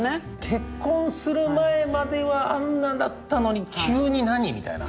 結婚する前まではあんなだったのに急に何？みたいな。